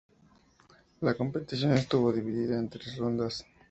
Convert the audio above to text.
La competición estuvo dividida en tres rondas.